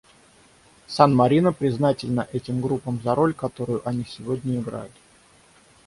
СанМарино признательно этим группам за роль, которую они сегодня играют.